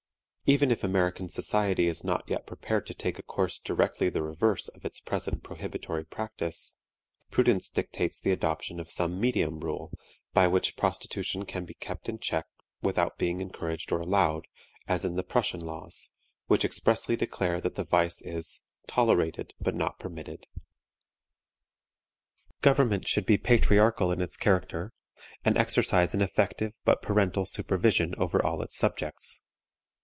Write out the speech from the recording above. Even if American society is not yet prepared to take a course directly the reverse of its present prohibitory practice, prudence dictates the adoption of some medium rule by which prostitution can be kept in check without being encouraged or allowed, as in the Prussian laws, which expressly declare that the vice is "tolerated but not permitted." Government should be patriarchal in its character, and exercise an effective but parental supervision over all its subjects.